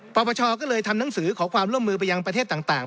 ปปชก็เลยทำหนังสือขอความร่วมมือไปยังประเทศต่าง